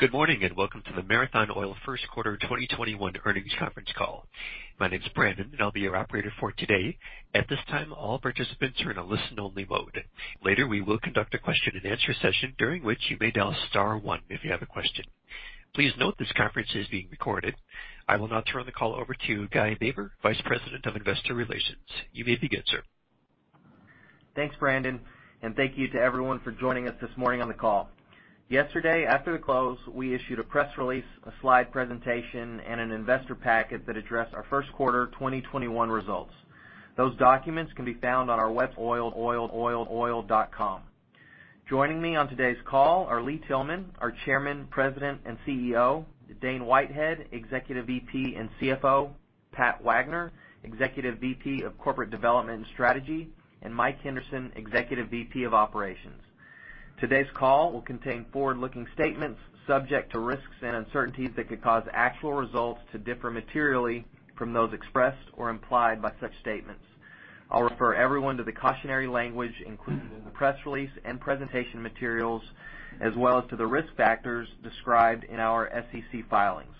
Good morning, and welcome to the Marathon Oil First Quarter 2021 Earnings Conference Call. My name's Brandon, and I'll be your operator for today. At this time, all participants are in a listen only mode. Later, we will conduct a question and answer session during which you may dial star one if you have a question. Please note this conference is being recorded. I will now turn the call over to Guy Baber, Vice President of Investor Relations. You may begin, sir. Thanks, Brandon, and thank you to everyone for joining us this morning on the call. Yesterday, after the close, we issued a press release, a slide presentation, and an investor packet that addressed our first quarter 2021 results. Those documents can be found on our web, marathonoil.com. Joining me on today's call are Lee Tillman, our Chairman, President, and Chief Executive Officer, Dane Whitehead, Executive Vice President and Chief Financial Officer, Pat Wagner, Executive VP of Corporate Development and Strategy, and Mike Henderson, Executive VP of Operations. Today's call will contain forward-looking statements subject to risks and uncertainties that could cause actual results to differ materially from those expressed or implied by such statements. I'll refer everyone to the cautionary language included in the press release and presentation materials, as well as to the risk factors described in our SEC filings.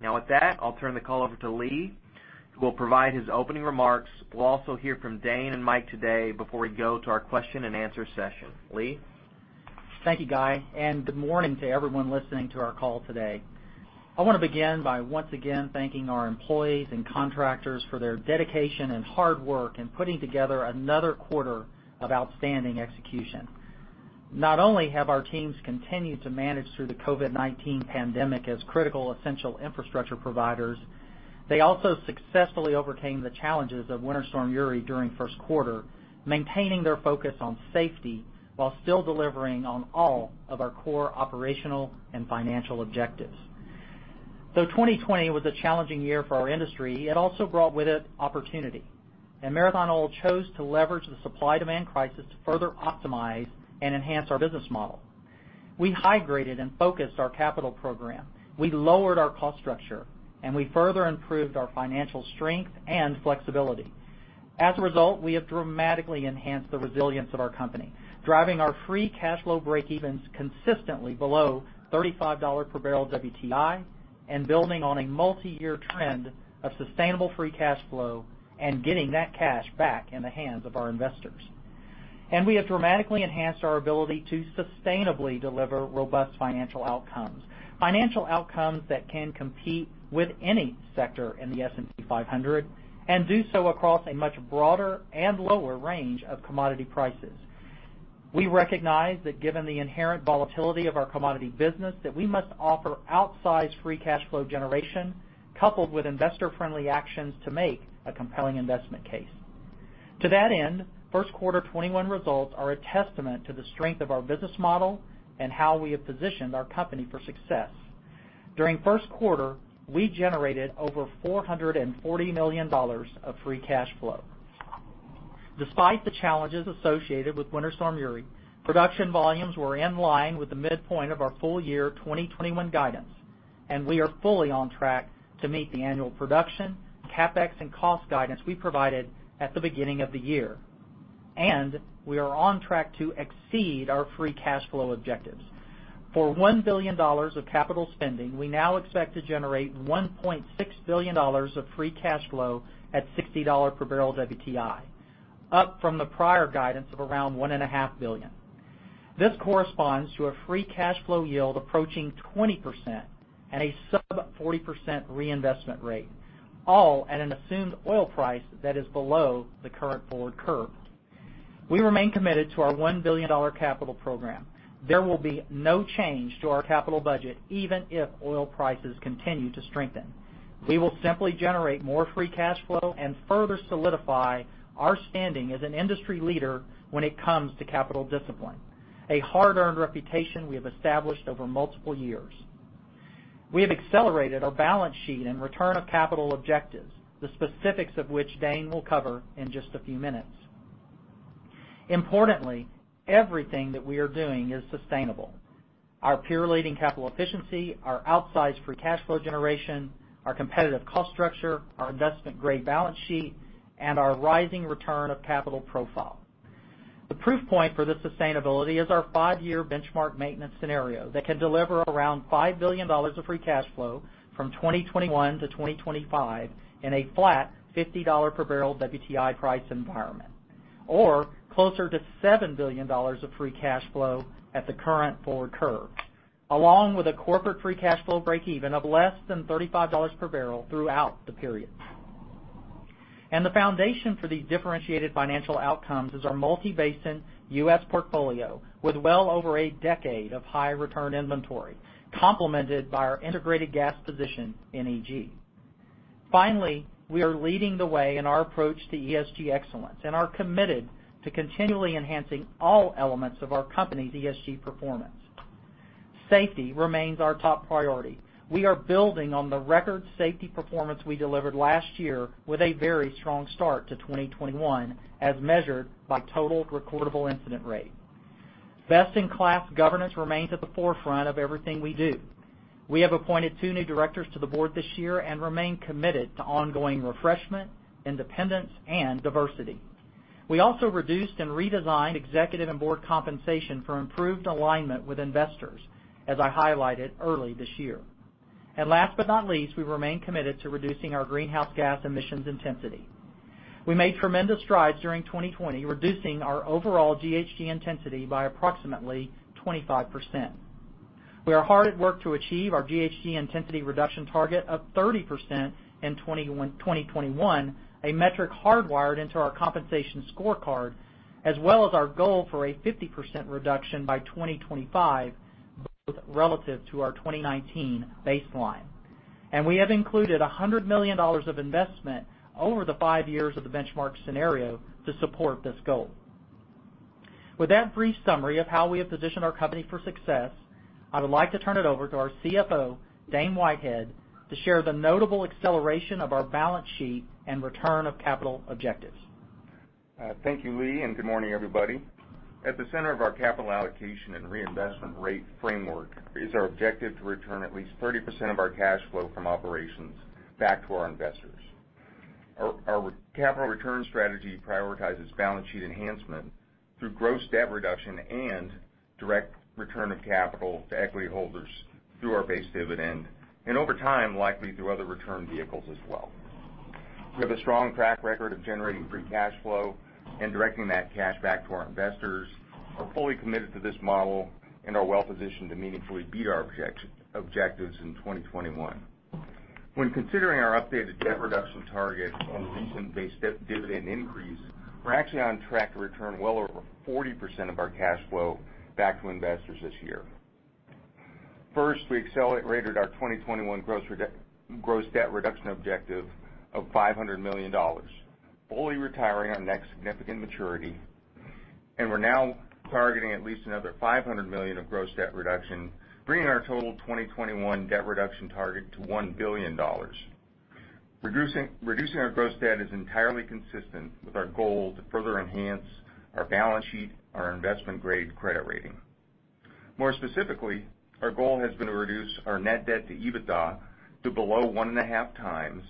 With that, I'll turn the call over to Lee, who will provide his opening remarks. We'll also hear from Dane and Mike today before we go to our question and answer session. Lee Tillman? Thank you, Guy. Good morning to everyone listening to our call today. I want to begin by once again thanking our employees and contractors for their dedication and hard work in putting together another quarter of outstanding execution. Not only have our teams continued to manage through the COVID-19 pandemic as critical essential infrastructure providers, they also successfully overcame the challenges of Winter Storm Uri during first quarter, maintaining their focus on safety while still delivering on all of our core operational and financial objectives. Though 2020 was a challenging year for our industry, it also brought with it opportunity, and Marathon Oil chose to leverage the supply demand crisis to further optimize and enhance our business model. We high graded and focused our capital program. We lowered our cost structure, and we further improved our financial strength and flexibility. We have dramatically enhanced the resilience of our company, driving our free cash flow breakevens consistently below $35 per bbl West Texas Intermediate, and building on a multi-year trend of sustainable free cash flow and getting that cash back in the hands of our investors. We have dramatically enhanced our ability to sustainably deliver robust financial outcomes, financial outcomes that can compete with any sector in the S&P 500, and do so across a much broader and lower range of commodity prices. We recognize that given the inherent volatility of our commodity business, that we must offer outsized free cash flow generation coupled with investor friendly actions to make a compelling investment case. To that end, first quarter 2021 results are a testament to the strength of our business model and how we have positioned our company for success. During first quarter, we generated over $440 million of free cash flow. Despite the challenges associated with Winter Storm Uri, production volumes were in line with the midpoint of our full year 2021 guidance. We are fully on track to meet the annual production, CapEx, and cost guidance we provided at the beginning of the year. We are on track to exceed our free cash flow objectives. For $1 billion of capital spending, we now expect to generate $1.6 billion of free cash flow at $60 per bbl WTI, up from the prior guidance of around $1.5 billion. This corresponds to a free cash flow yield approaching 20% and a sub 40% reinvestment rate, all at an assumed oil price that is below the current forward curve. We remain committed to our $1 billion capital program. There will be no change to our capital budget, even if oil prices continue to strengthen. We will simply generate more free cash flow and further solidify our standing as an industry leader when it comes to capital discipline, a hard-earned reputation we have established over multiple years. We have accelerated our balance sheet and return of capital objectives, the specifics of which Dane will cover in just a few minutes. Importantly, everything that we are doing is sustainable. Our peer-leading capital efficiency, our outsized free cash flow generation, our competitive cost structure, our investment-grade balance sheet, and our rising return of capital profile. The proof point for this sustainability is our five-year benchmark maintenance scenario that can deliver around $5 billion of free cash flow from 2021 to 2025 in a flat $50 per bbl WTI price environment, or closer to $7 billion of free cash flow at the current forward curve, along with a corporate free cash flow breakeven of less than $35 per bbl throughout the period. The foundation for these differentiated financial outcomes is our multi-basin U.S. portfolio with well over a decade of high return inventory complemented by our integrated gas position in Equatorial Guinea. Finally, we are leading the way in our approach to Environmental, Social, and Governance excellence and are committed to continually enhancing all elements of our company's ESG performance. Safety remains our top priority. We are building on the record safety performance we delivered last year with a very strong start to 2021, as measured by total recordable incident rate. Best in class governance remains at the forefront of everything we do. We have appointed two new directors to the board this year and remain committed to ongoing refreshment, independence, and diversity. We also reduced and redesigned executive and board compensation for improved alignment with investors, as I highlighted early this year. Last but not least, we remain committed to reducing our greenhouse gas emissions intensity. We made tremendous strides during 2020, reducing our overall greenhouse gas intensity by approximately 25%. We are hard at work to achieve our GHG intensity reduction target of 30% in 2021, a metric hardwired into our compensation scorecard, as well as our goal for a 50% reduction by 2025, both relative to our 2019 baseline. We have included $100 million of investment over the five years of the benchmark scenario to support this goal. With that brief summary of how we have positioned our company for success, I would like to turn it over to our CFO, Dane Whitehead, to share the notable acceleration of our balance sheet and return of capital objectives. Thank you, Lee. Good morning, everybody. At the center of our capital allocation and reinvestment rate framework is our objective to return at least 30% of our cash flow from operations back to our investors. Our capital return strategy prioritizes balance sheet enhancement through gross debt reduction and direct return of capital to equity holders through our base dividend, and over time, likely through other return vehicles as well. We have a strong track record of generating free cash flow and directing that cash back to our investors. We're fully committed to this model and are well-positioned to meaningfully beat our objectives in 2021. When considering our updated debt reduction target on the recent base dividend increase, we're actually on track to return well over 40% of our cash flow back to investors this year. First, we accelerated our 2021 gross debt reduction objective of $500 million, fully retiring our next significant maturity. We're now targeting at least another $500 million of gross debt reduction, bringing our total 2021 debt reduction target to $1 billion. Reducing our gross debt is entirely consistent with our goal to further enhance our balance sheet, our investment-grade credit rating. More specifically, our goal has been to reduce our Net Debt to EBITDA to below 1.5x,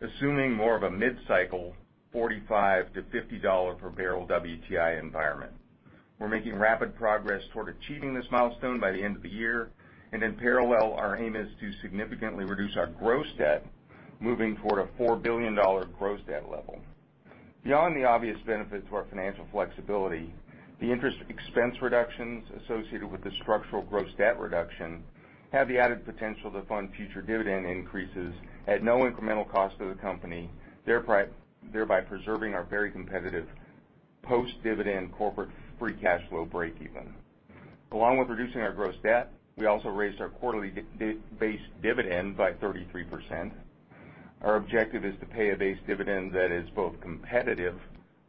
assuming more of a mid-cycle $45-$50 per bbl WTI environment. We're making rapid progress toward achieving this milestone by the end of the year. In parallel, our aim is to significantly reduce our gross debt, moving toward a $4 billion gross debt level. Beyond the obvious benefit to our financial flexibility, the interest expense reductions associated with the structural gross debt reduction have the added potential to fund future dividend increases at no incremental cost to the company, thereby preserving our very competitive post-dividend corporate free cash flow breakeven. Along with reducing our gross debt, we also raised our quarterly base dividend by 33%. Our objective is to pay a base dividend that is both competitive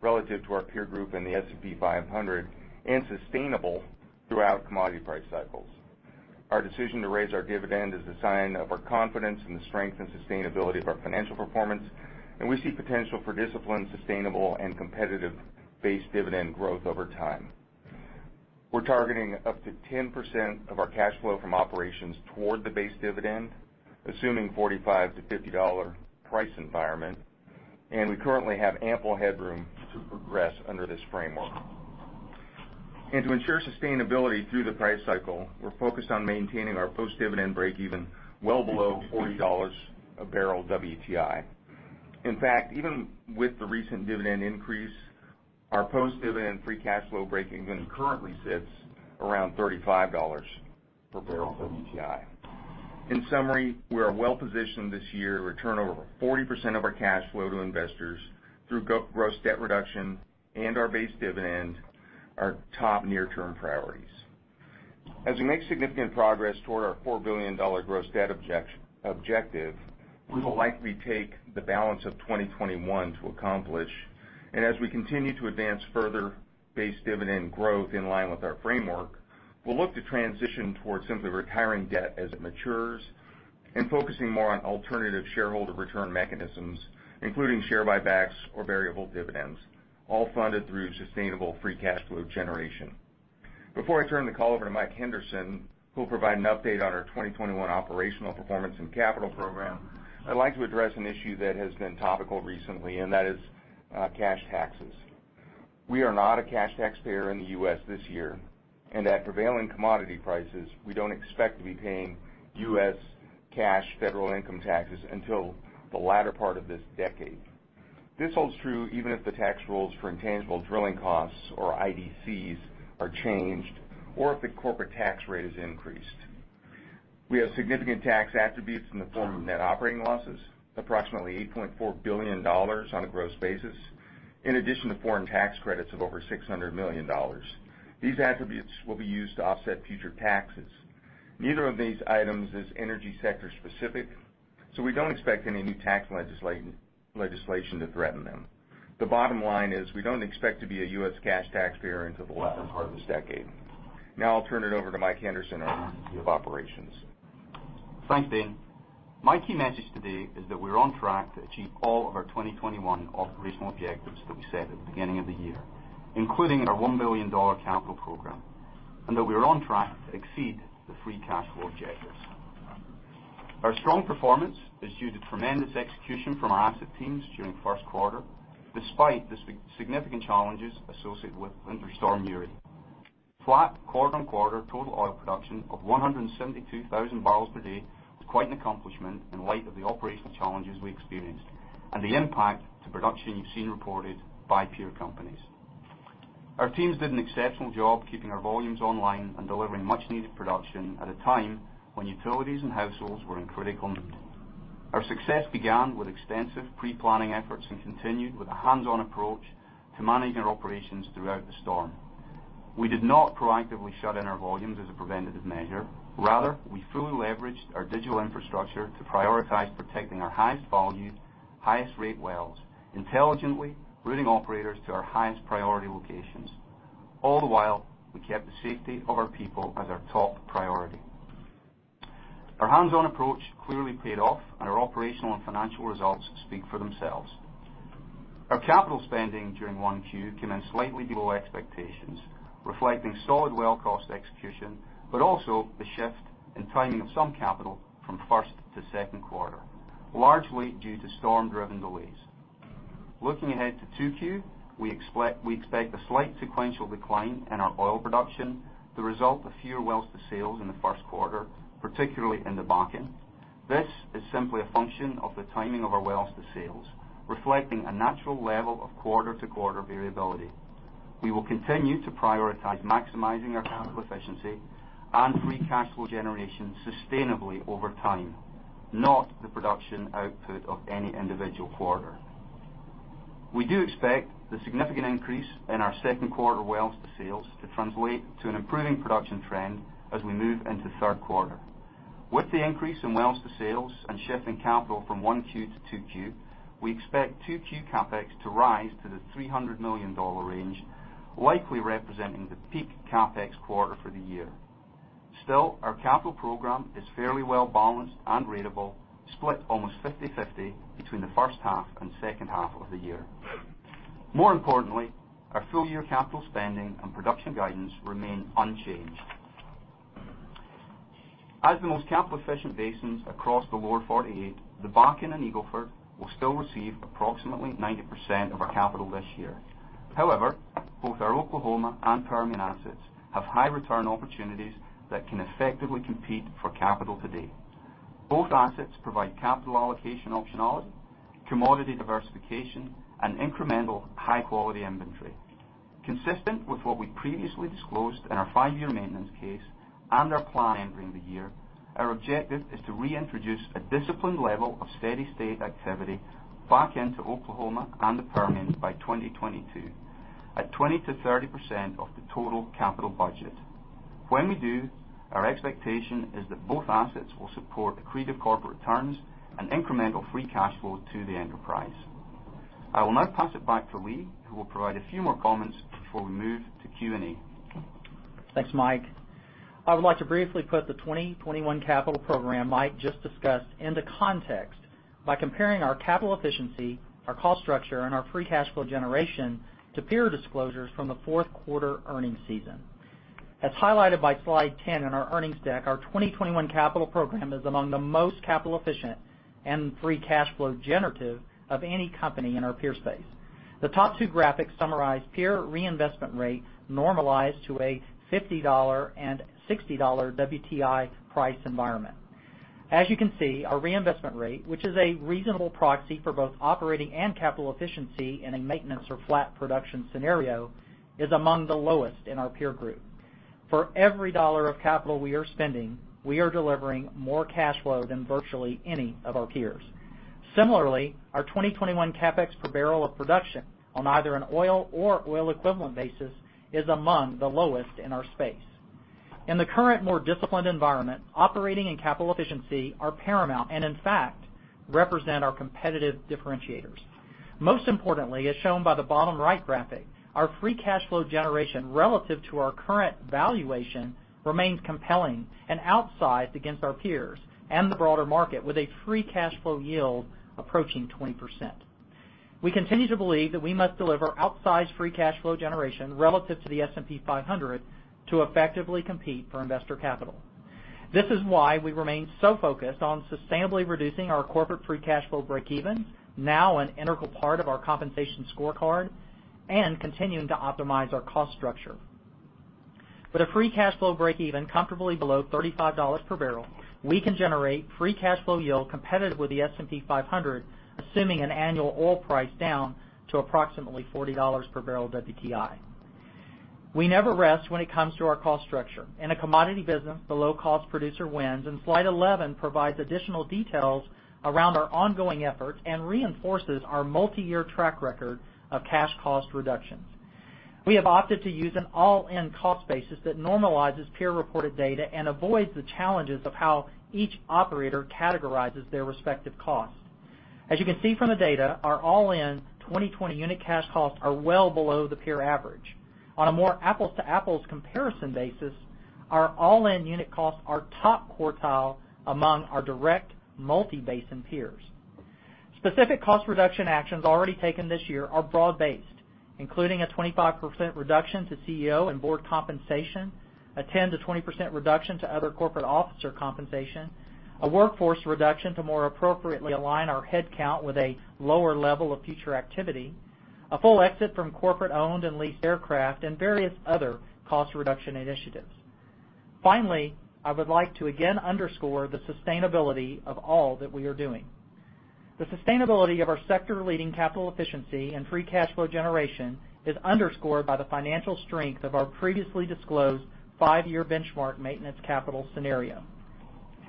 relative to our peer group and the S&P 500, and sustainable throughout commodity price cycles. Our decision to raise our dividend is a sign of our confidence in the strength and sustainability of our financial performance, and we see potential for disciplined, sustainable, and competitive base dividend growth over time. We're targeting up to 10% of our cash flow from operations toward the base dividend, assuming $45-$50 price environment, and we currently have ample headroom to progress under this framework. To ensure sustainability through the price cycle, we're focused on maintaining our post-dividend breakeven well below $40 a bbl WTI. In fact, even with the recent dividend increase, our post-dividend free cash flow breakeven currently sits around $35 per bbl for WTI. In summary, we are well-positioned this year to return over 40% of our cash flow to investors through gross debt reduction and our base dividend, our top near-term priorities. As we make significant progress toward our $4 billion gross debt objective, we will likely take the balance of 2021 to accomplish. As we continue to advance further base dividend growth in line with our framework, we'll look to transition towards simply retiring debt as it matures and focusing more on alternative shareholder return mechanisms, including share buybacks or variable dividends, all funded through sustainable free cash flow generation. Before I turn the call over to Mike Henderson, who will provide an update on our 2021 operational performance and capital program, I'd like to address an issue that has been topical recently, and that is cash taxes. We are not a cash taxpayer in the U.S. this year, and at prevailing commodity prices, we don't expect to be paying U.S. cash federal income taxes until the latter part of this decade. This holds true even if the tax rules for intangible drilling costs or IDCs are changed, or if the corporate tax rate is increased. We have significant tax attributes in the form of net operating losses, approximately $8.4 billion on a gross basis, in addition to foreign tax credits of over $600 million. These attributes will be used to offset future taxes. Neither of these items is energy sector specific, so we don't expect any new tax legislation to threaten them. The bottom line is we don't expect to be a U.S. cash taxpayer until the latter part of this decade. Now I'll turn it over to Mike Henderson of operations. Thanks, Dane. My key message today is that we're on track to achieve all of our 2021 operational objectives that we set at the beginning of the year, including our $1 billion capital program, and that we are on track to exceed the free cash flow objectives. Our strong performance is due to tremendous execution from our asset teams during the first quarter, despite the significant challenges associated with Winter Storm Uri. Flat quarter-on-quarter total oil production of 172,000 bbl per day was quite an accomplishment in light of the operational challenges we experienced and the impact to production you've seen reported by peer companies. Our teams did an exceptional job keeping our volumes online and delivering much needed production at a time when utilities and households were in critical need. Our success began with extensive pre-planning efforts and continued with a hands-on approach to managing our operations throughout the storm. We did not proactively shut in our volumes as a preventative measure. Rather, we fully leveraged our digital infrastructure to prioritize protecting our highest volume, highest rate wells, intelligently routing operators to our highest priority locations. All the while, we kept the safety of our people as our top priority. Our hands-on approach clearly paid off, and our operational and financial results speak for themselves. Our capital spending during 1Q came in slightly below expectations, reflecting solid well cost execution, but also the shift in timing of some capital from first to second quarter, largely due to storm-driven delays. Looking ahead to 2Q, we expect a slight sequential decline in our oil production, the result of fewer wells to sales in the first quarter, particularly in the Bakken. This is simply a function of the timing of our wells to sales, reflecting a natural level of quarter-to-quarter variability. We will continue to prioritize maximizing our capital efficiency and free cash flow generation sustainably over time, not the production output of any individual quarter. We do expect the significant increase in our second quarter wells to sales to translate to an improving production trend as we move into the third quarter. With the increase in wells to sales and shift in capital from 1Q to 2Q, we expect 2Q CapEx to rise to the $300 million range, likely representing the peak CapEx quarter for the year. Our capital program is fairly well-balanced and ratable, split almost 50/50 between the first half and second half of the year. More importantly, our full-year capital spending and production guidance remain unchanged. As the most capital-efficient basins across the Lower 48, the Bakken and Eagle Ford will still receive approximately 90% of our capital this year. Both our Oklahoma and Permian assets have high return opportunities that can effectively compete for capital today. Both assets provide capital allocation optionality, commodity diversification, and incremental high-quality inventory. Consistent with what we previously disclosed in our five-year maintenance case and our plan entering the year, our objective is to reintroduce a disciplined level of steady-state activity back into Oklahoma and the Permian by 2022, at 20%-30% of the total capital budget. When we do, our expectation is that both assets will support accretive corporate returns and incremental free cash flow to the enterprise. I will now pass it back to Lee, who will provide a few more comments before we move to Q&A. Thanks, Mike. I would like to briefly put the 2021 capital program Mike just discussed into context by comparing our capital efficiency, our cost structure, and our free cash flow generation to peer disclosures from the fourth quarter earnings season. As highlighted by slide 10 in our earnings deck, our 2021 capital program is among the most capital efficient and free cash flow generative of any company in our peer space. The top two graphics summarize peer reinvestment rate normalized to a $50 and $60 WTI price environment. As you can see, our reinvestment rate, which is a reasonable proxy for both operating and capital efficiency in a maintenance or flat production scenario, is among the lowest in our peer group. For every dollar of capital we are spending, we are delivering more cash flow than virtually any of our peers. Similarly, our 2021 CapEx per barrel of production on either an oil or oil equivalent basis is among the lowest in our space. In the current, more disciplined environment, operating and capital efficiency are paramount and, in fact, represent our competitive differentiators. Most importantly, as shown by the bottom right graphic, our free cash flow generation relative to our current valuation remains compelling and outsized against our peers and the broader market, with a free cash flow yield approaching 20%. We continue to believe that we must deliver outsized free cash flow generation relative to the S&P 500 to effectively compete for investor capital. This is why we remain so focused on sustainably reducing our corporate free cash flow breakeven, now an integral part of our compensation scorecard, and continuing to optimize our cost structure. With a free cash flow breakeven comfortably below $35 per bbl, we can generate free cash flow yield competitive with the S&P 500, assuming an annual oil price down to approximately $40 per bbl WTI. We never rest when it comes to our cost structure. In a commodity business, the low-cost producer wins, and slide 11 provides additional details around our ongoing efforts and reinforces our multi-year track record of cash cost reductions. We have opted to use an all-in cost basis that normalizes peer-reported data and avoids the challenges of how each operator categorizes their respective costs. As you can see from the data, our all-in 2020 unit cash costs are well below the peer average. On a more apples-to-apples comparison basis, our all-in unit costs are top quartile among our direct multi-basin peers. Specific cost reduction actions already taken this year are broad-based, including a 25% reduction to CEO and board compensation, a 10%-20% reduction to other corporate officer compensation, a workforce reduction to more appropriately align our head count with a lower level of future activity, a full exit from corporate-owned and leased aircraft, and various other cost reduction initiatives. Finally, I would like to again underscore the sustainability of all that we are doing. The sustainability of our sector-leading capital efficiency and free cash flow generation is underscored by the financial strength of our previously disclosed five-year benchmark maintenance capital scenario.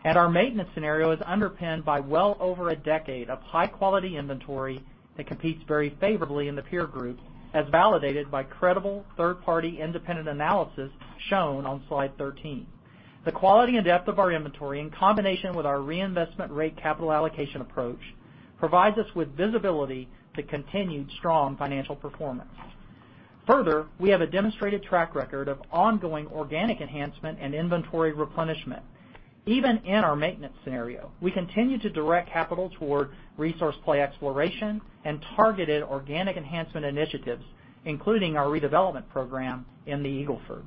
Our maintenance scenario is underpinned by well over a decade of high-quality inventory that competes very favorably in the peer group, as validated by credible third-party independent analysis shown on slide 13. The quality and depth of our inventory, in combination with our reinvestment rate capital allocation approach, provides us with visibility to continued strong financial performance. Further, we have a demonstrated track record of ongoing organic enhancement and inventory replenishment. Even in our maintenance scenario, we continue to direct capital toward Resource Play Exploration and targeted organic enhancement initiatives, including our redevelopment program in the Eagle Ford.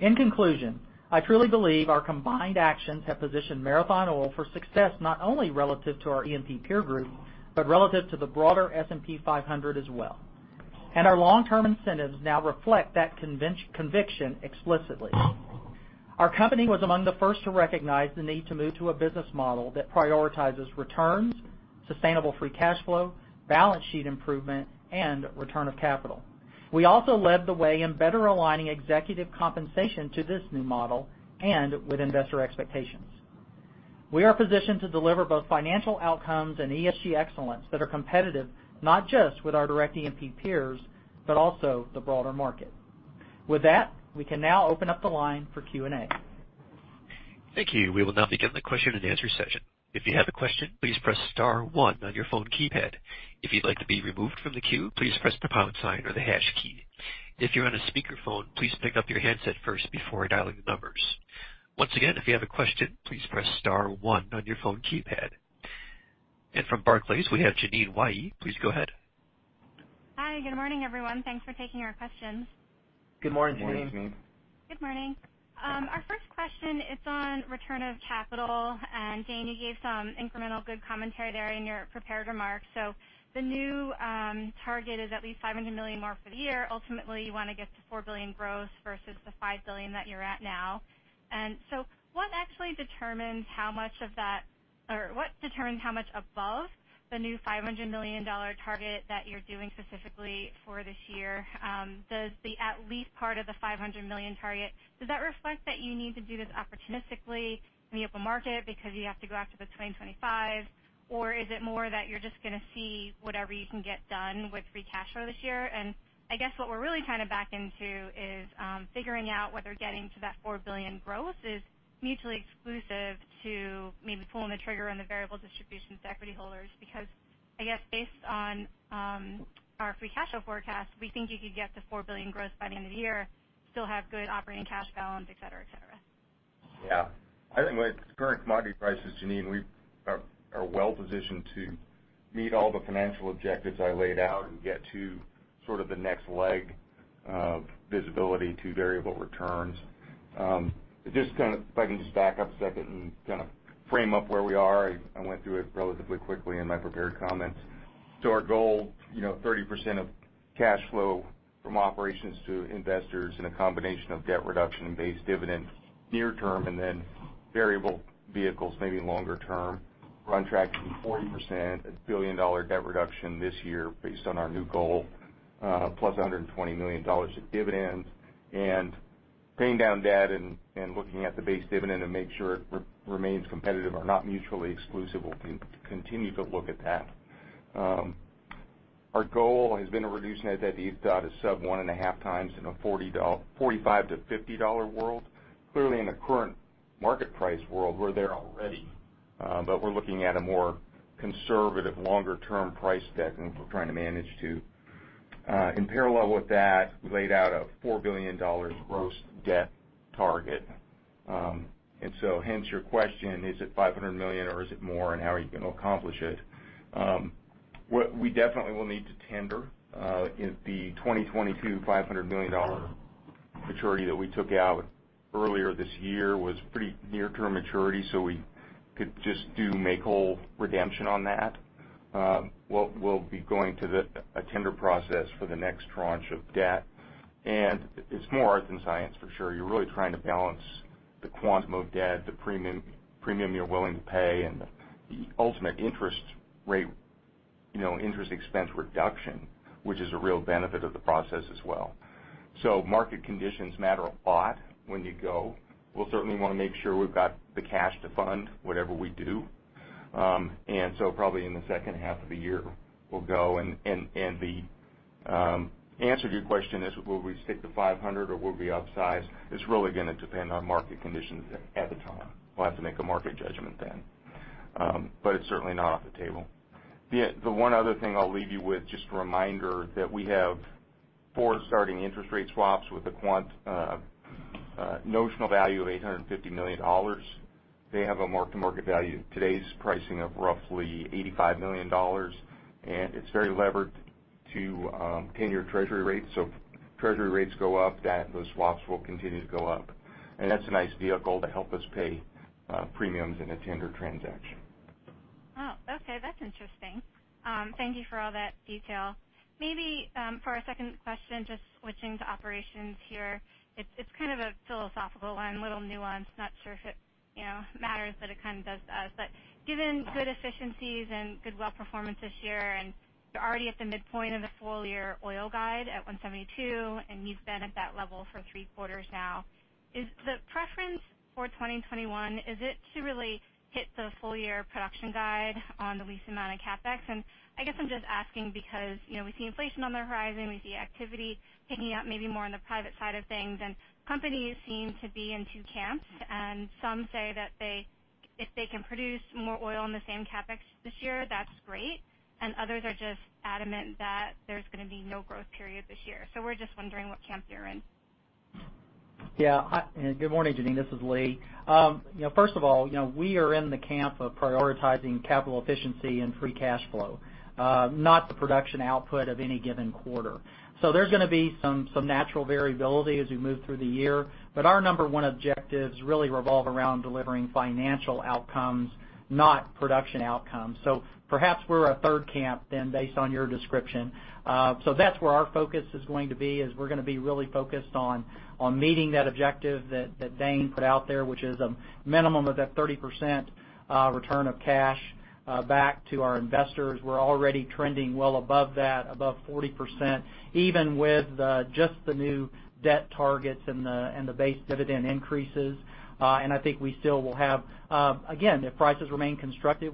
In conclusion, I truly believe our combined actions have positioned Marathon Oil for success not only relative to our E&P peer group, but relative to the broader S&P 500 as well. Our long-term incentives now reflect that conviction explicitly. Our company was among the first to recognize the need to move to a business model that prioritizes returns, sustainable free cash flow, balance sheet improvement, and return of capital. We also led the way in better aligning executive compensation to this new model and with investor expectations. We are positioned to deliver both financial outcomes and ESG excellence that are competitive, not just with our direct E&P peers, but also the broader market. With that, we can now open up the line for Q&A. Thank you. We will now begin the question and answer session. If you have a question, please press star one on your phone keypad. If you'd like to be removed from the queue, please press the pound sign or the hash key. If you're on a speakerphone, please pick up your handset first before dialing the numbers. Once again, if you have a question, please press star one on your phone keypad. From Barclays, we have Jeanine Wai. Please go ahead. Hi, good morning, everyone. Thanks for taking our questions. Good morning, Jeanine. Good morning, Jeanine. Good morning. Our first question is on return of capital, and Dane, you gave some incremental good commentary there in your prepared remarks. The new target is at least $500 million more for the year. Ultimately, you want to get to $4 billion gross versus the $5 billion that you're at now. What determines how much above the new $500 million target that you're doing specifically for this year? Does the at least part of the $500 million target, does that reflect that you need to do this opportunistically in the open market because you have to go after the 2025? Is it more that you're just going to see whatever you can get done with free cash flow this year? I guess what we're really trying to back into is figuring out whether getting to that $4 billion gross is mutually exclusive to maybe pulling the trigger on the variable distributions to equity holders, because I guess based on our free cash flow forecast, we think you could get to $4 billion gross by the end of the year, still have good operating cash balance, et cetera. Yeah. I think with current commodity prices, Jeanine, we are well-positioned to meet all the financial objectives I laid out and get to sort of the next leg of visibility to variable returns. If I can just back up a second and kind of frame up where we are, I went through it relatively quickly in my prepared comments. Our goal, 30% of cash flow from operations to investors in a combination of debt reduction and base dividend near term, and then variable vehicles maybe longer term. We're on track to do 40%, $1 billion debt reduction this year based on our new goal, plus $120 million of dividends. Paying down debt and looking at the base dividend to make sure it remains competitive are not mutually exclusive. We'll continue to look at that. Our goal has been to reduce net debt to sub 1.5x in a $45-$50 world. Clearly, in the current market price world, we're there already. We're looking at a more conservative, longer-term price deck than we're trying to manage to. In parallel with that, we laid out a $4 billion gross debt target. Hence your question, is it $500 million or is it more, and how are you going to accomplish it? What we definitely will need to tender is the 2022 $500 million maturity that we took out earlier this year was pretty near-term maturity, so we could just do make whole redemption on that. We'll be going to a tender process for the next tranche of debt. It's more art than science for sure. You're really trying to balance the quantum of debt, the premium you're willing to pay, and the ultimate interest rate, interest expense reduction, which is a real benefit of the process as well. Market conditions matter a lot when you go. We'll certainly want to make sure we've got the cash to fund whatever we do. Probably in the second half of the year, we'll go, and the answer to your question is, will we stick to $500 or will we upsize? It's really going to depend on market conditions at the time. We'll have to make a market judgment then. It's certainly not off the table. The one other thing I'll leave you with, just a reminder that we have forward-starting interest rate swaps with a notional value of $850 million. They have a mark-to-market value in today's pricing of roughly $85 million. It's very levered to 10-year treasury rates. Treasury rates go up, those swaps will continue to go up. That's a nice vehicle to help us pay premiums in a tender transaction. Oh, okay. That's interesting. Thank you for all that detail. Maybe for our second question, just switching to operations here, it is kind of a philosophical one, little nuance. Not sure if it matters, but it kind of does to us. Given good efficiencies and good well performance this year, and you are already at the midpoint of the full-year oil guide at 172, and you have been at that level for three quarters now. Is the preference for 2021, is it to really hit the full-year production guide on the least amount of CapEx? I guess I'm just asking because, we see inflation on the horizon. We see activity picking up maybe more on the private side of things. Companies seem to be in two camps. Some say that if they can produce more oil in the same CapEx this year, that's great. Others are just adamant that there's going to be no growth period this year. We're just wondering what camp you're in. Yeah. Good morning, Jeanine. This is Lee. First of all, we are in the camp of prioritizing capital efficiency and free cash flow, not the production output of any given quarter. There is going to be some natural variability as we move through the year. Our number one objectives really revolve around delivering financial outcomes, not production outcomes. Perhaps we are a third camp then, based on your description. That is where our focus is going to be, is we are going to be really focused on meeting that objective that Dane put out there, which is a minimum of that 30% return of cash back to our investors. We are already trending well above that, above 40%, even with just the new debt targets and the base dividend increases. I think we still have additional headroom moving through the year, again, if prices remain constructive.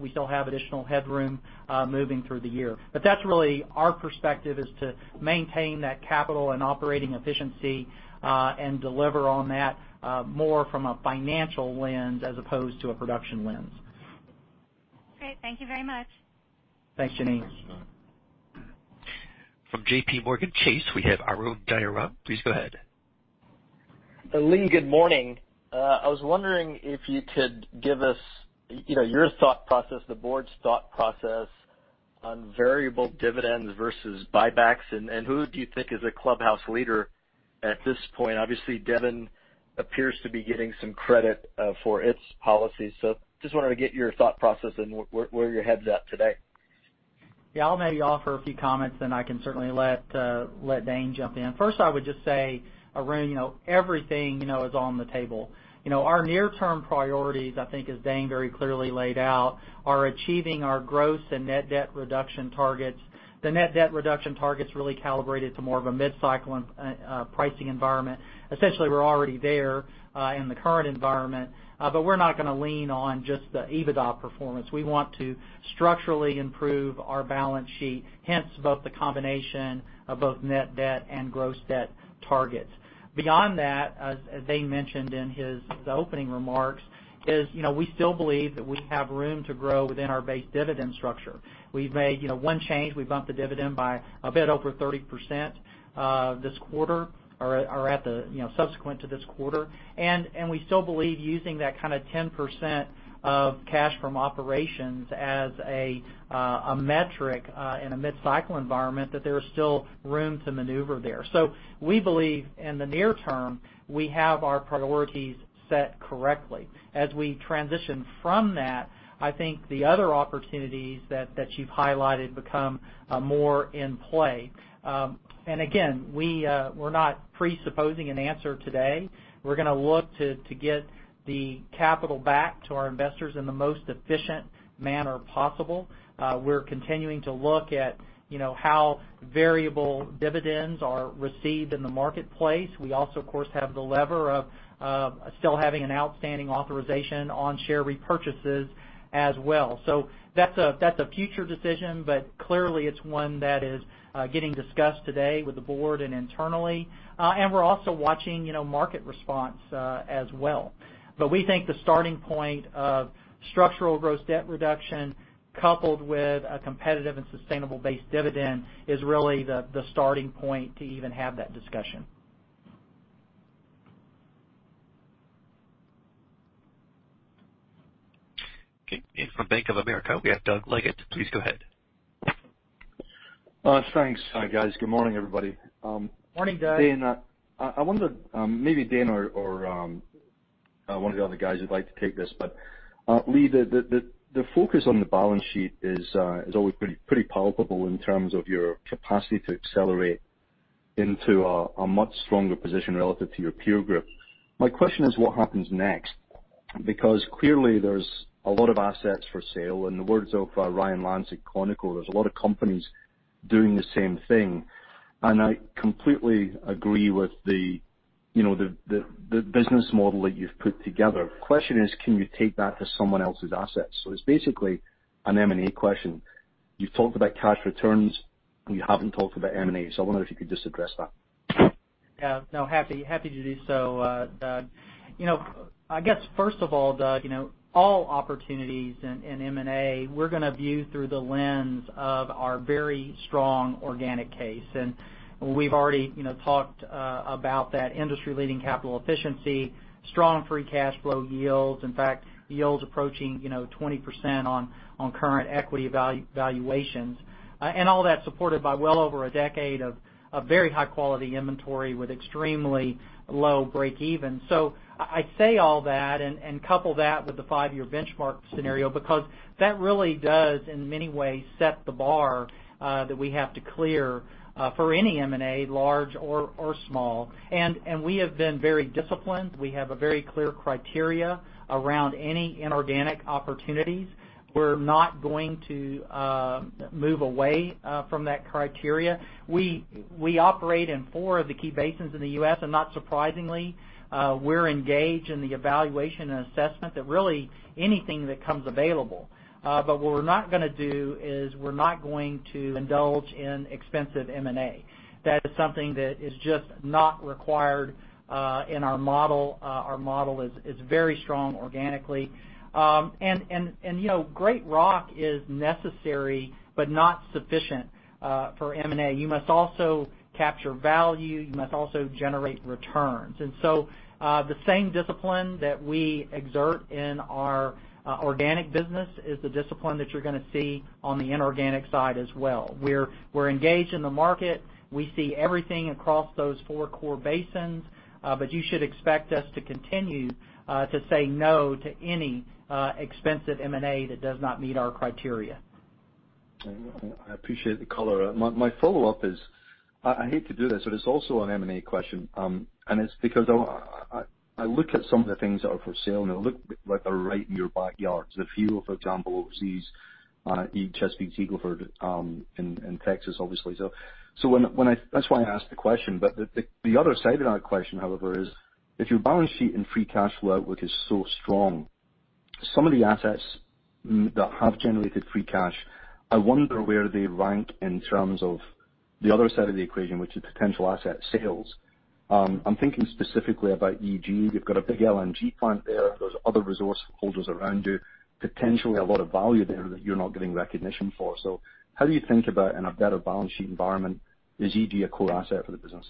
That's really our perspective, is to maintain that capital and operating efficiency, and deliver on that more from a financial lens as opposed to a production lens. Great. Thank you very much. Thanks, Jeanine. From JPMorgan Chase, we have Arun Jayaram. Please go ahead. Lee, good morning. I was wondering if you could give us your thought process, the board's thought process on variable dividends versus buybacks, and who do you think is a clubhouse leader at this point? Obviously, Devon appears to be getting some credit for its policy. Just wanted to get your thought process and where your head's at today. Yeah, I'll maybe offer a few comments, then I can certainly let Dane jump in. First, I would just say, Arun, everything is on the table. Our near-term priorities, I think as Dane very clearly laid out, are achieving our gross and net debt reduction targets. The net debt reduction target's really calibrated to more of a mid-cycle pricing environment. Essentially, we're already there, in the current environment, but we're not going to lean on just the EBITDA performance. We want to structurally improve our balance sheet, hence both the combination of both net debt and gross debt targets. Beyond that, as Dane mentioned in his opening remarks, is we still believe that we have room to grow within our base dividend structure. We've made one change. We bumped the dividend by a bit over 30% this quarter or subsequent to this quarter. We still believe using that kind of 10% of cash from operations as a metric, in a mid-cycle environment, that there is still room to maneuver there. We believe in the near term, we have our priorities set correctly. As we transition from that, I think the other opportunities that you've highlighted become more in play. Again, we're not presupposing an answer today. We're going to look to get the capital back to our investors in the most efficient manner possible. We're continuing to look at how variable dividends are received in the marketplace. We also, of course, have the lever of still having an outstanding authorization on share repurchases as well. That's a future decision, but clearly, it's one that is getting discussed today with the board and internally. We're also watching market response as well. We think the starting point of structural gross debt reduction coupled with a competitive and sustainable base dividend is really the starting point to even have that discussion. Okay. From Bank of America, we have Doug Leggate. Please go ahead. Thanks. Hi, guys. Good morning, everybody. Morning, Doug. Dane, I wonder, maybe Dane or one of the other guys would like to take this, but Lee, the focus on the balance sheet is always pretty palpable in terms of your capacity to accelerate into a much stronger position relative to your peer group. My question is what happens next. Because clearly there's a lot of assets for sale. In the words of Ryan Lance at Conoco, there's a lot of companies doing the same thing. I completely agree with the business model that you've put together. Question is, can you take that to someone else's assets? It's basically an M&A question. You've talked about cash returns, you haven't talked about M&A, so I wonder if you could just address that. Yeah. No, happy to do so, Doug. I guess, first of all, Doug, all opportunities in M&A, we're going to view through the lens of our very strong organic case. We've already talked about that industry-leading capital efficiency, strong free cash flow yields, in fact, yields approaching 20% on current equity valuations. All that supported by well over a decade of very high-quality inventory with extremely low breakeven. I say all that and couple that with the five-year benchmark scenario, because that really does, in many ways, set the bar that we have to clear for any M&A, large or small. We have been very disciplined. We have a very clear criteria around any inorganic opportunities. We're not going to move away from that criteria. We operate in four of the key basins in the U.S. Not surprisingly, we're engaged in the evaluation and assessment that really anything that comes available. What we're not going to do is we're not going to indulge in expensive M&A. That is something that is just not required in our model. Our model is very strong organically. Great rock is necessary, but not sufficient for M&A. You must also capture value. You must also generate returns. The same discipline that we exert in our organic business is the discipline that you're going to see on the inorganic side as well. We're engaged in the market. We see everything across those four core basins. You should expect us to continue to say no to any expensive M&A that does not meet our criteria. I appreciate the color. My follow-up is, I hate to do this, it's also an M&A question, it's because I look at some of the things that are for sale, they look like they're right in your backyard. There's a few, for example, overseas, EG, Chesapeake, Eagle Ford, in Texas, obviously. That's why I asked the question. The other side of that question, however, is if your balance sheet and free cash flow outlook is so strong, some of the assets that have generated free cash, I wonder where they rank in terms of the other side of the equation, which is potential asset sales. I'm thinking specifically about EG. You've got a big liquefied natural gas plant there. There's other resource holders around you, potentially a lot of value there that you're not getting recognition for. How do you think about in a better balance sheet environment, is EG a core asset for the business?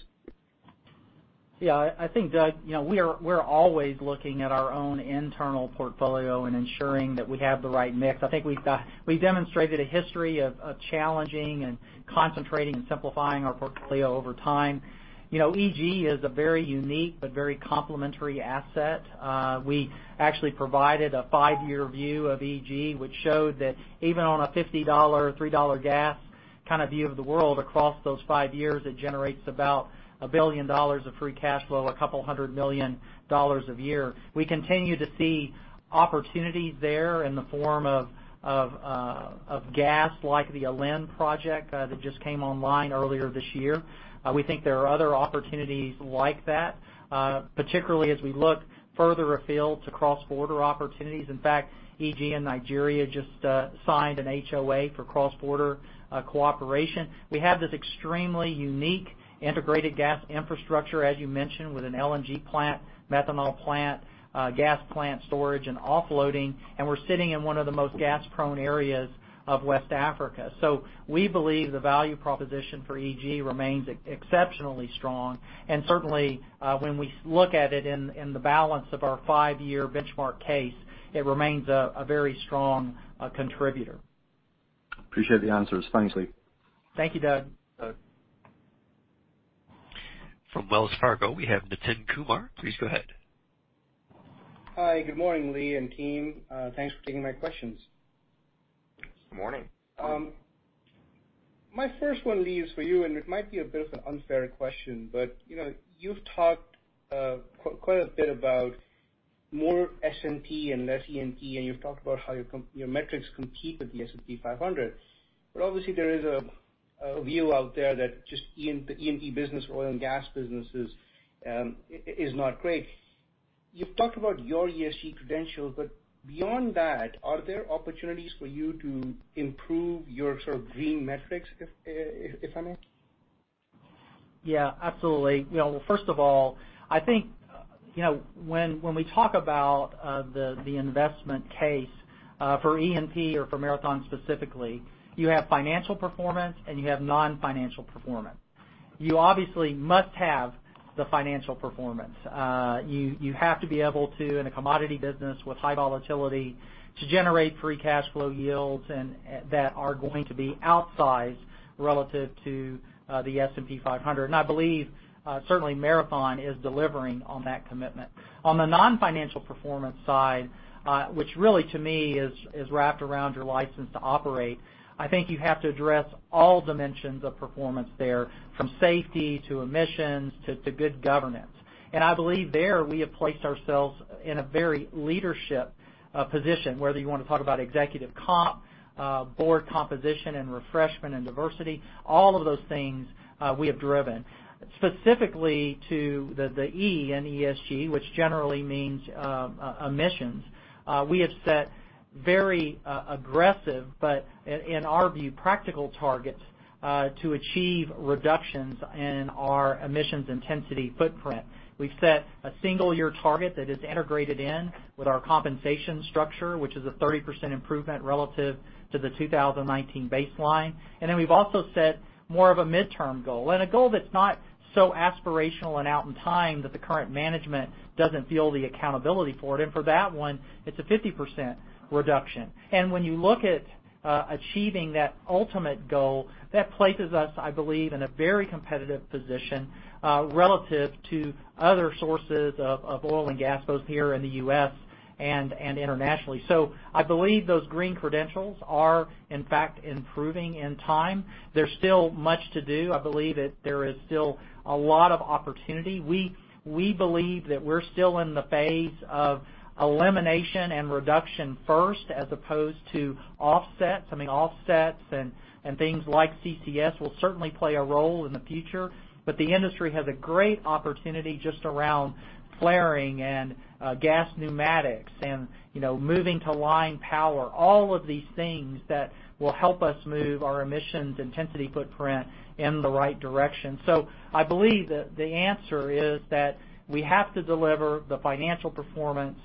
Yeah, I think, Doug, we're always looking at our own internal portfolio and ensuring that we have the right mix. I think we've demonstrated a history of challenging and concentrating and simplifying our portfolio over time. EG is a very unique but very complementary asset. We actually provided a five-year view of EG, which showed that even on a $50, $3 gas kind of view of the world across those five years, it generates about $1 billion of free cash flow, $200 million a year. We continue to see opportunities there in the form of gas, like the Alen project that just came online earlier this year. We think there are other opportunities like that, particularly as we look further afield to cross-border opportunities. In fact, EG and Nigeria just signed an Heads of Agreement for cross-border cooperation. We have this extremely unique integrated gas infrastructure, as you mentioned, with an LNG plant, methanol plant, gas plant storage, and offloading, and we're sitting in one of the most gas-prone areas of West Africa. We believe the value proposition for EG remains exceptionally strong, and certainly, when we look at it in the balance of our five-year benchmark case, it remains a very strong contributor. Appreciate the answers. Thanks, Lee. Thank you, Doug. From Wells Fargo, we have Nitin Kumar. Please go ahead. Hi. Good morning, Lee and team. Thanks for taking my questions. Good morning. My first one, Lee, is for you. It might be a bit of an unfair question. You've talked quite a bit about more S&P and less E&P. You've talked about how your metrics compete with the S&P 500. Obviously, there is a view out there that just the E&P business or oil and gas business is not great. You've talked about your ESG credentials. Beyond that, are there opportunities for you to improve your sort of green metrics, if I may? Yeah, absolutely. Well, first of all, I think when we talk about the investment case for E&P or for Marathon specifically, you have financial performance and you have non-financial performance. You obviously must have the financial performance. You have to be able to, in a commodity business with high volatility, to generate free cash flow yields that are going to be outsized relative to the S&P 500. I believe certainly Marathon is delivering on that commitment. On the non-financial performance side, which really to me is wrapped around your license to operate, I think you have to address all dimensions of performance there, from safety to emissions to good governance. I believe there we have placed ourselves in a very leadership position, whether you want to talk about executive comp, board composition, and refreshment and diversity, all of those things we have driven. Specifically to the E in ESG, which generally means emissions, we have set very aggressive, but in our view, practical targets to achieve reductions in our emissions intensity footprint. We've set a single-year target that is integrated in with our compensation structure, which is a 30% improvement relative to the 2019 baseline. Then we've also set more of a midterm goal and a goal that's not so aspirational and out in time that the current management doesn't feel the accountability for it. For that one, it's a 50% reduction. When you look at achieving that ultimate goal, that places us, I believe, in a very competitive position relative to other sources of oil and gas, both here in the U.S. and internationally. I believe those green credentials are in fact improving in time. There's still much to do. I believe that there is still a lot of opportunity. We believe that we're still in the phase of elimination and reduction first as opposed to offsets. Offsets and things like carbon capture and storage will certainly play a role in the future, but the industry has a great opportunity just around flaring and gas pneumatics and moving to line power, all of these things that will help us move our emissions intensity footprint in the right direction. I believe that the answer is that we have to deliver the financial performance.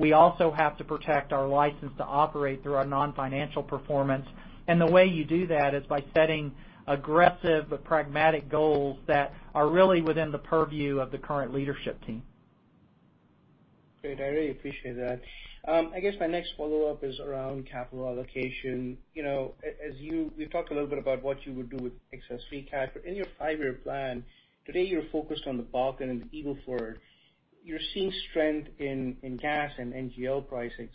We also have to protect our license to operate through our non-financial performance. The way you do that is by setting aggressive but pragmatic goals that are really within the purview of the current leadership team. Great. I really appreciate that. I guess my next follow-up is around capital allocation. We've talked a little bit about what you would do with excess free cash. In your five-year plan, today, you're focused on the Bakken and the Eagle Ford. You're seeing strength in gas and NGL pricing.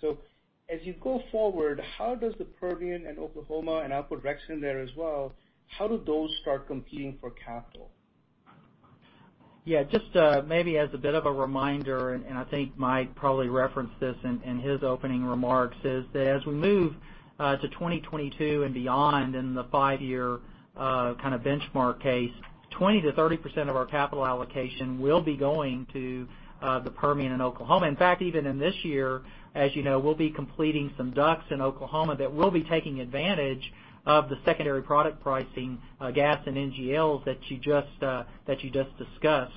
As you go forward, how does the Permian and Oklahoma, and I'll put Resource Play Exploration in there as well, how do those start competing for capital? Yeah. Just maybe as a bit of a reminder, and I think Mike probably referenced this in his opening remarks, is that as we move to 2022 and beyond in the five-year kind of benchmark case, 20%-30% of our capital allocation will be going to the Permian and Oklahoma. In fact, even in this year, as you know, we'll be completing some drilled but uncompleted wells in Oklahoma that will be taking advantage of the secondary product pricing gas and NGLs that you just discussed.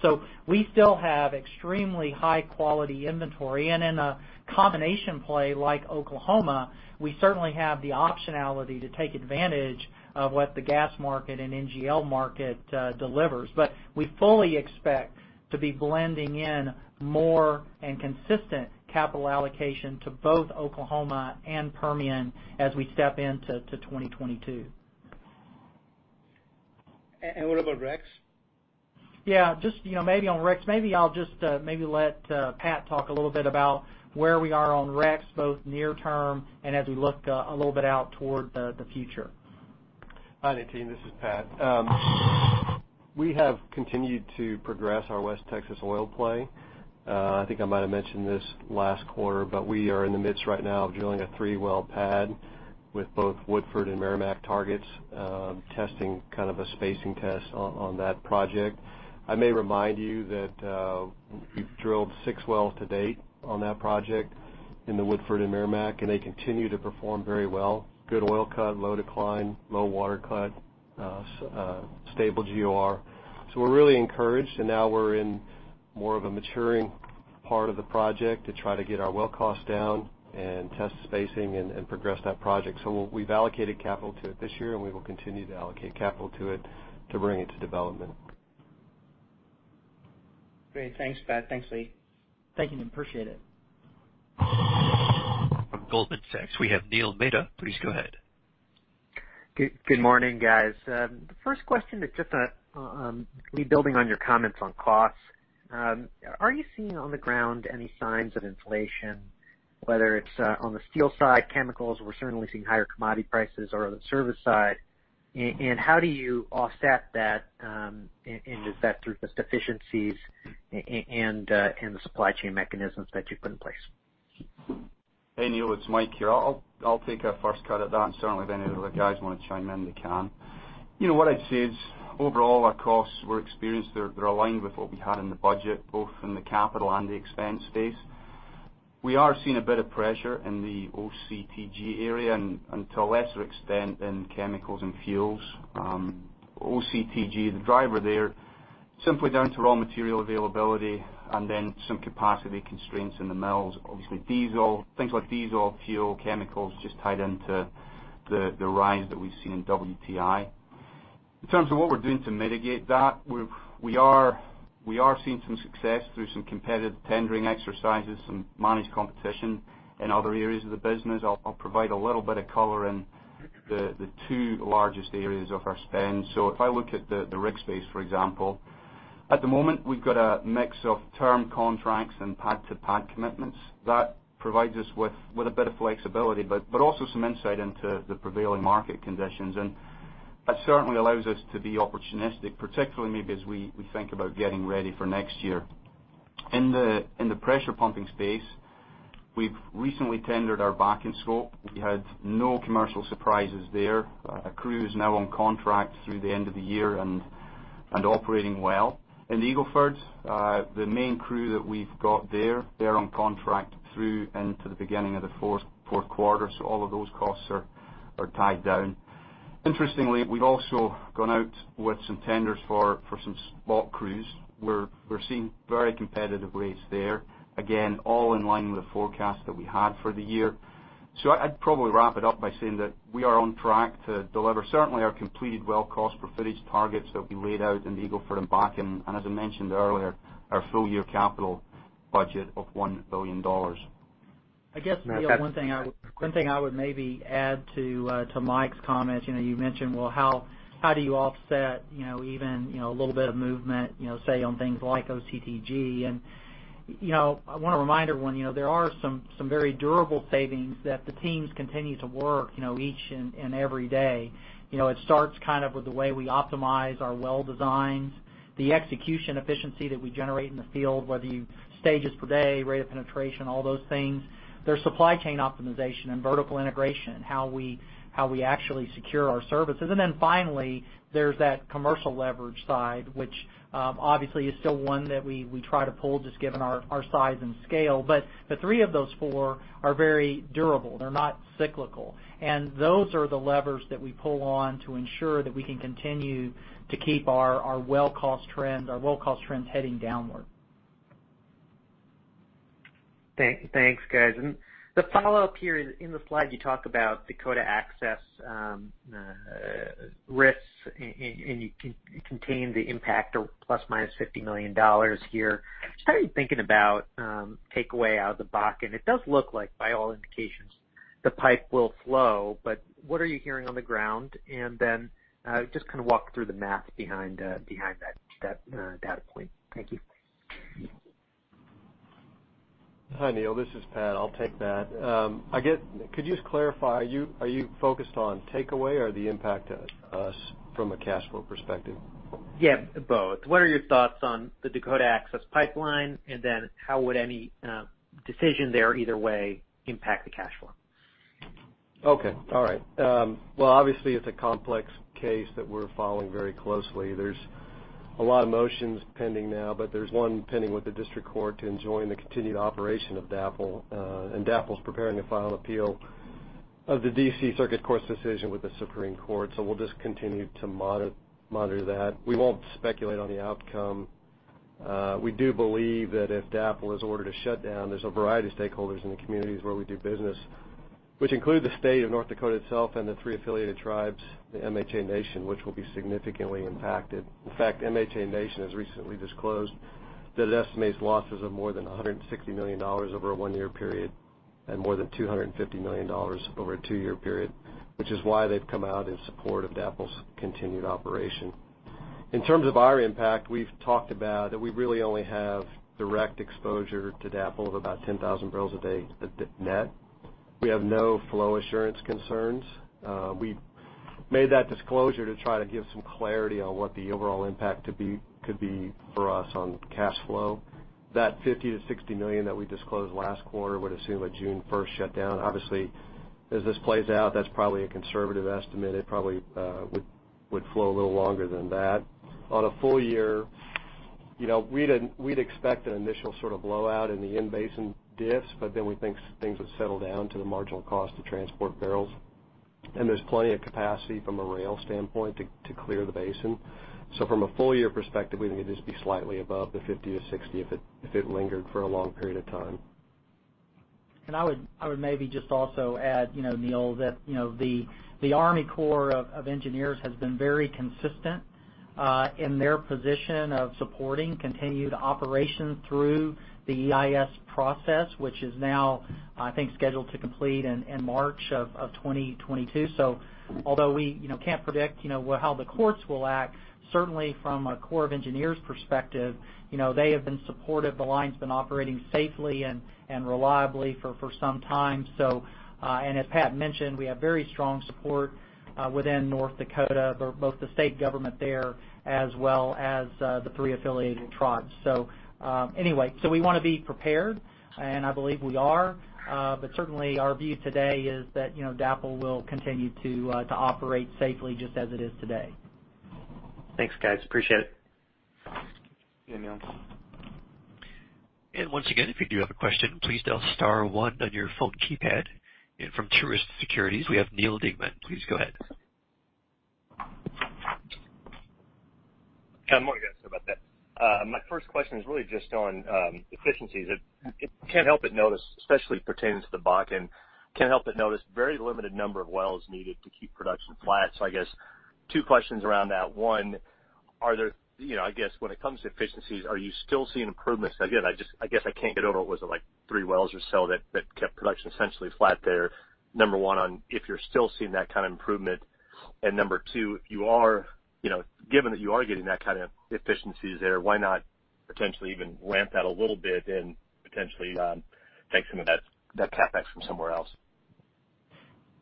We still have extremely high-quality inventory. In a combination play like Oklahoma, we certainly have the optionality to take advantage of what the gas market and NGL market delivers. We fully expect to be blending in more and consistent capital allocation to both Oklahoma and Permian as we step into to 2022. What about REx? Yeah. Just maybe on REx, maybe I'll just let Pat talk a little bit about where we are on REx, both near term and as we look a little bit out toward the future. Hi, Nitin. This is Pat. We have continued to progress our West Texas oil play. I think I might've mentioned this last quarter, but we are in the midst right now of drilling a three-well pad with both Woodford and Meramec targets, testing kind of a spacing test on that project. I may remind you that we've drilled six wells to date on that project in the Woodford and Meramec, and they continue to perform very well. Good oil cut, low decline, low water cut, stable gas-oil ratio. We're really encouraged, and now we're in more of a maturing part of the project to try to get our well cost down and test spacing and progress that project. We've allocated capital to it this year, and we will continue to allocate capital to it to bring it to development. Great. Thanks, Pat. Thanks, Lee. Thank you, Nitin. Appreciate it. From Goldman Sachs, we have Neil Mehta. Please go ahead. Good morning, guys. The first question is just me building on your comments on costs. Are you seeing on the ground any signs of inflation, whether it's on the steel side, chemicals, we're certainly seeing higher commodity prices or on the service side. How do you offset that? Is that through just efficiencies and the supply chain mechanisms that you've put in place? Hey, Neil, it's Mike here. I'll take a first cut at that, and certainly if any of the other guys want to chime in, they can. What I'd say is overall our costs we're experienced, they're aligned with what we had in the budget, both in the capital and the expense space. We are seeing a bit of pressure in the Oil Country Tubular Goods area, and to a lesser extent in chemicals and fuels. OCTG, the driver there, simply down to raw material availability and then some capacity constraints in the mills. Obviously diesel, things like diesel fuel, chemicals just tied into the rise that we've seen in WTI. In terms of what we're doing to mitigate that, we are seeing some success through some competitive tendering exercises, some managed competition in other areas of the business. I'll provide a little bit of color in the two largest areas of our spend. If I look at the rig space, for example, at the moment, we've got a mix of term contracts and pad to pad commitments. That provides us with a bit of flexibility, but also some insight into the prevailing market conditions. That certainly allows us to be opportunistic, particularly maybe as we think about getting ready for next year. In the pressure pumping space, we've recently tendered our Bakken scope. We had no commercial surprises there. A crew is now on contract through the end of the year and operating well. In the Eagle Ford, the main crew that we've got there, they're on contract through into the beginning of the fourth quarter. All of those costs are tied down. Interestingly, we've also gone out with some tenders for some spot crews. We're seeing very competitive rates there. All in line with the forecast that we had for the year. I'd probably wrap it up by saying that we are on track to deliver certainly our completed well cost per footage targets that we laid out in the Eagle Ford and Bakken, and as I mentioned earlier, our full year capital budget of $1 billion. I guess, Neil, one thing I would maybe add to Mike's comments. You mentioned, well, how do you offset even a little bit of movement say on things like OCTG. I want to remind everyone, there are some very durable savings that the teams continue to work each and every day. It starts with the way we optimize our well designs, the execution efficiency that we generate in the field, whether stages per day, rate of penetration, all those things. There is supply chain optimization and vertical integration, how we actually secure our services. Then finally, there is that commercial leverage side, which obviously is still one that we try to pull, just given our size and scale. The three of those four are very durable. They are not cyclical. Those are the levers that we pull on to ensure that we can continue to keep our well cost trends heading downward. Thanks, guys. The follow-up here is, in the slide you talk about Dakota Access risks, and you contain the impact of ±$50 million here. How are you thinking about takeaway out of the Bakken? It does look like by all indications, the pipe will flow, but what are you hearing on the ground? Just walk through the math behind that data point. Thank you. Hi, Neil. This is Pat. I'll take that. Could you just clarify, are you focused on takeaway or the impact to us from a cash flow perspective? Yeah, both. What are your thoughts on the Dakota Access Pipeline, and then how would any decision there, either way, impact the cash flow? Okay. All right. Well, obviously, it's a complex case that we're following very closely. There's a lot of motions pending now, but there's one pending with the district court to enjoin the continued operation of Dakota Access Pipeline. DAPL's preparing to file an appeal of the DC Circuit Court's decision with the Supreme Court. We'll just continue to monitor that. We won't speculate on the outcome. We do believe that if DAPL is ordered to shut down, there's a variety of stakeholders in the communities where we do business, which include the state of North Dakota itself and the three affiliated tribes, the MHA Nation, which will be significantly impacted. MHA Nation has recently disclosed that it estimates losses of more than $160 million over a one-year period and more than $250 million over a two-year period, which is why they've come out in support of DAPL's continued operation. In terms of our impact, we've talked about that we really only have direct exposure to DAPL of about 10,000 bbl a day net. We have no flow assurance concerns. We made that disclosure to try to give some clarity on what the overall impact could be for us on cash flow. That $50 million to $60 million that we disclosed last quarter would assume a June 1st shutdown. As this plays out, that's probably a conservative estimate. It probably would flow a little longer than that. On a full year, we'd expect an initial sort of blowout in the in-basin diffs. We think things would settle down to the marginal cost to transport barrels. There's plenty of capacity from a rail standpoint to clear the basin. From a full year perspective, we think it'd just be slightly above the $50-$60 if it lingered for a long period of time. I would maybe just also add, Neil, that the Army Corps of Engineers has been very consistent in their position of supporting continued operation through the Environmental Impact Statement process, which is now, I think, scheduled to complete in March of 2022. Although we can't predict how the courts will act, certainly from a Corps of Engineers perspective, they have been supportive. The line's been operating safely and reliably for some time. As Pat mentioned, we have very strong support within North Dakota, both the state government there as well as the three affiliated tribes. Anyway, we want to be prepared, and I believe we are. Certainly our view today is that DAPL will continue to operate safely just as it is today. Thanks, guys. Appreciate it. Yeah, Neil. Once again, if you do have question please star one on your telephone keypad. From Truist Securities, we have Neal Dingmann. Please go ahead. Good morning, guys. How about that? My first question is really just on efficiencies. I can't help but notice, especially pertaining to the Bakken, can't help but notice very limited number of wells needed to keep production flat. I guess two questions around that. One, I guess when it comes to efficiencies, are you still seeing improvements? Again, I guess I can't get over it was like three wells or so that kept production essentially flat there. Number one on if you're still seeing that kind of improvement. Number two, given that you are getting that kind of efficiencies there, why not potentially even ramp that a little bit and potentially take some of that CapEx from somewhere else?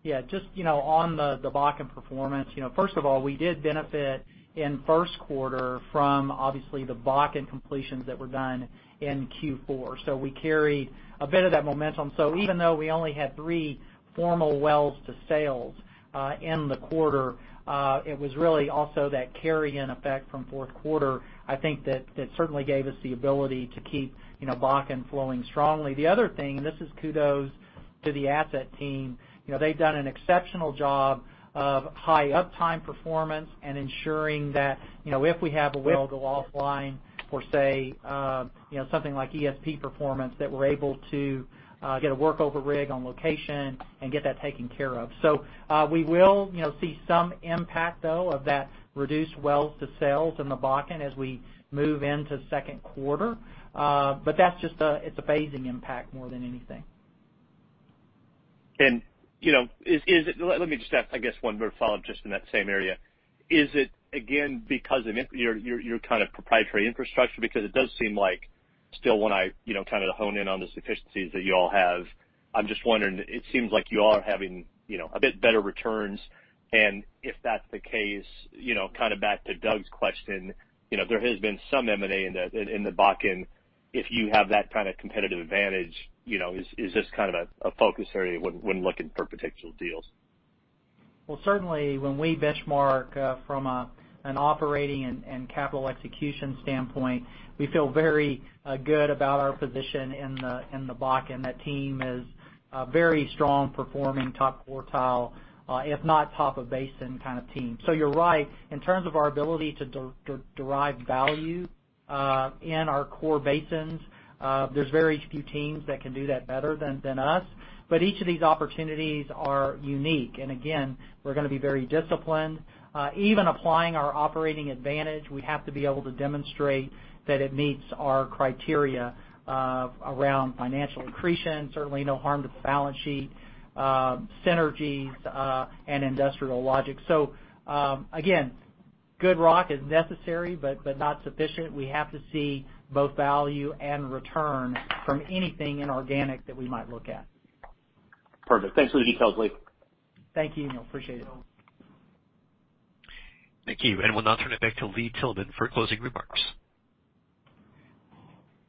Yeah, just on the Bakken performance. First of all, we did benefit in first quarter from obviously the Bakken completions that were done in Q4. We carried a bit of that momentum. Even though we only had three formal wells to sales in the quarter, it was really also that carry-in effect from fourth quarter, I think that certainly gave us the ability to keep Bakken flowing strongly. The other thing, this is kudos to the asset team. They've done an exceptional job of high uptime performance and ensuring that if we have a well go offline for, say, something like ESP performance, that we're able to get a workover rig on location and get that taken care of. We will see some impact, though, of that reduced wells to sales in the Bakken as we move into second quarter. That's just a phasing impact more than anything. Let me just ask, I guess, one more follow-up just in that same area. Is it again, because of your kind of proprietary infrastructure? It does seem like still when I hone in on the efficiencies that you all have, I'm just wondering, it seems like you are having a bit better returns, and if that's the case, back to Doug's question, there has been some M&A in the Bakken. If you have that kind of competitive advantage, is this kind of a focus area when looking for potential deals? Well, certainly when we benchmark from an operating and capital execution standpoint, we feel very good about our position in the Bakken. That team is a very strong performing, top quartile, if not top of basin kind of team. You're right, in terms of our ability to derive value in our core basins, there's very few teams that can do that better than us. Each of these opportunities are unique. Again, we're going to be very disciplined. Even applying our operating advantage, we have to be able to demonstrate that it meets our criteria around financial accretion, certainly no harm to the balance sheet, synergies, and industrial logic. Again, good rock is necessary, but not sufficient. We have to see both value and return from anything inorganic that we might look at. Perfect. Thanks for the details, Lee. Thank you, Neil. Appreciate it. Thank you. We'll now turn it back to Lee Tillman for closing remarks.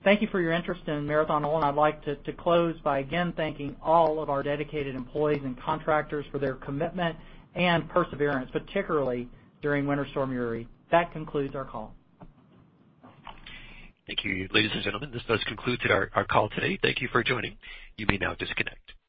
Thank you for your interest in Marathon Oil. I'd like to close by again thanking all of our dedicated employees and contractors for their commitment and perseverance, particularly during Winter Storm Uri. That concludes our call. Thank you. Ladies and gentlemen, this does conclude our call today. Thank you for joining. You may now disconnect.